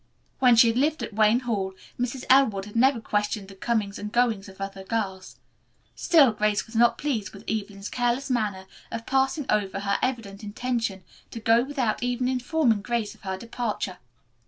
When she had lived at Wayne Hall Mrs. Elwood had never questioned the comings and goings of her girls. Still Grace was not pleased with Evelyn's careless manner of passing over her evident intention to go without even informing Grace of her departure.